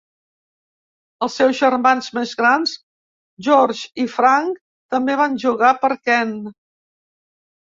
Els seus germans més grans, George i Frank, també van jugar per Kent.